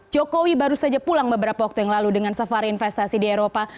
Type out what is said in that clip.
jokowi baru saja pulang beberapa waktu yang lalu dengan safari investasi di eropa